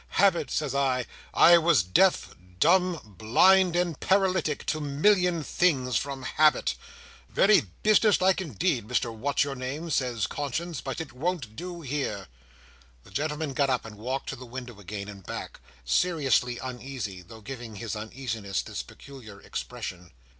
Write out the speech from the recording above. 'Habit,' says I; 'I was deaf, dumb, blind, and paralytic, to a million things, from habit.' 'Very business like indeed, Mr What's your name,' says Conscience, 'but it won't do here!'" The gentleman got up and walked to the window again and back: seriously uneasy, though giving his uneasiness this peculiar expression.